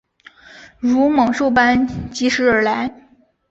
如猛兽般疾驶而来